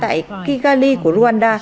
tại kigali của ruhr